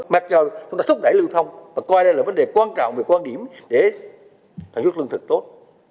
mặc dù chúng ta thúc đẩy lưu thông và coi đây là vấn đề quan trọng về quan điểm để sản xuất lương thực tốt